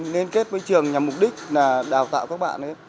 liên kết với trường nhằm mục đích là đào tạo các bạn ấy